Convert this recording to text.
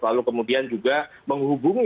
lalu kemudian juga menghubungi